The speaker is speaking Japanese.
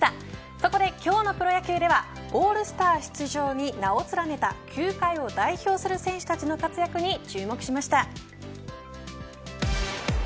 そこで今日のプレー野球ではオールスターの出場に名を通られた球界を代表する選手たちの活躍に注目しました。